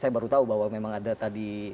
saya baru tahu bahwa memang ada tadi